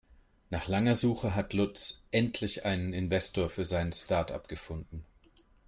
Nach langer Suche hat Lutz endlich einen Investor für sein Startup gefunden.